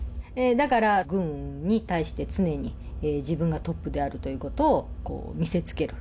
だから軍に対して、常に自分がトップであるということを見せつける。